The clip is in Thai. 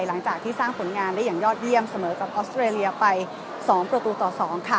หลังจากที่สร้างผลงานได้อย่างยอดเยี่ยมเสมอกับออสเตรเลียไป๒ประตูต่อ๒ค่ะ